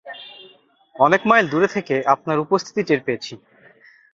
অনেক মাইল দুরে থেকে আপনার উপস্থিতি টের পেয়েছি।